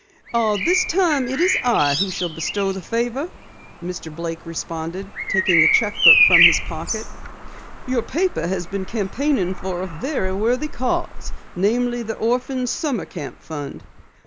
"Ah, this time it is I who shall bestow the favor," Mr. Blake responded, taking a cheque book from his pocket. "Your paper has been campaigning for a very worthy cause, namely the Orphans' Summer Camp Fund.